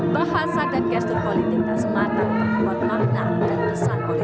bahasa dan gestur politik tak semata membuat makna dan pesan politik